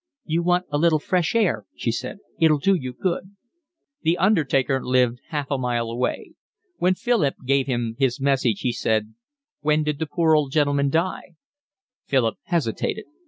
"You want a little fresh air," she said, "it'll do you good." The undertaker lived half a mile away. When Philip gave him his message, he said: "When did the poor old gentleman die?" Philip hesitated.